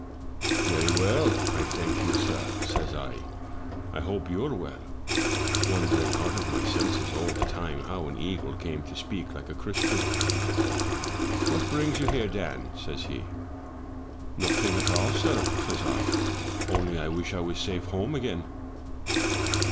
^'* 'Very well, I thank you, sir,' says I; *I hope you're well;' wondering out of my senses all the time how an eagle came to speak like a Christian. 'What brings you here, Dan?' says he. " 'Nothing at all, sir,' says I, 'only I wish I was safe home again.'